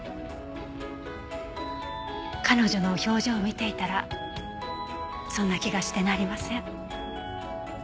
彼女の表情を見ていたらそんな気がしてなりません。